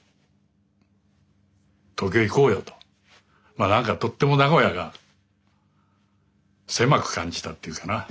まあ何かとっても名古屋が狭く感じたっていうかな。